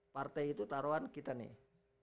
part tiga itu taruhan kita nih